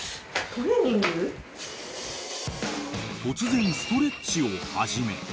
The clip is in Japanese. ［突然ストレッチを始め］